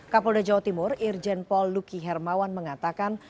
kapolda jawa timur irjen pol luki hermawan mengatakan